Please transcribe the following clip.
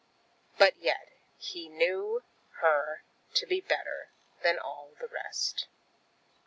But yet he knew her to be better than all the rest.